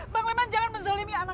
bang liman jangan menzalim ibu yatim